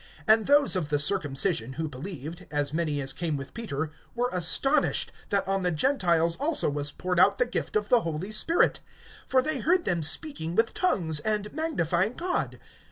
(45)And those of the circumcision who believed, as many as came with Peter, were astonished, that on the Gentiles also was poured out the gift of the Holy Spirit. (46)For they heard them speaking with tongues, and magnifying God.